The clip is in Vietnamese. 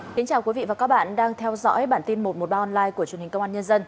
xin chào quý vị và các bạn đang theo dõi bản tin một trăm một mươi ba online của truyền hình công an nhân dân